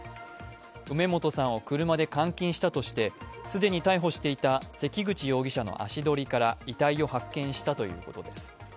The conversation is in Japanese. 梅本さんを車で監禁したとして既に逮捕していた関口容疑者の足取りから遺体を発見したということです。